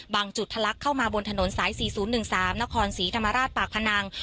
จุดทะลักเข้ามาบนถนนสาย๔๐๑๓นครศรีธรรมราชปากพนัง